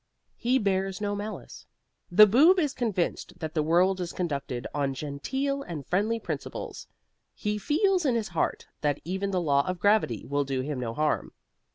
HE BEARS NO MALICE The Boob is convinced that the world is conducted on genteel and friendly principles. He feels in his heart that even the law of gravity will do him no harm.